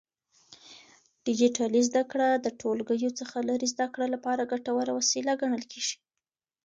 ډيجيټلي زده کړه د ټولګیو څخه لرې زده کړې لپاره ګټوره وسيله ګڼل کېږي.